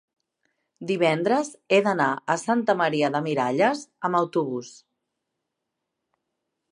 divendres he d'anar a Santa Maria de Miralles amb autobús.